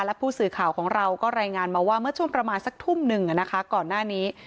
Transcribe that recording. และผู้สื่อข่าวของเราก็รายงานมาว่าเมื่อช่วงประมาณสักทุ่มหนึ่งก่อนหน้านี้